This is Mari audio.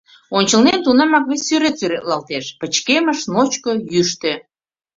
Ончылнем тунамак вес сӱрет сӱретлалтеш: пычкемыш, ночко, йӱштӧ.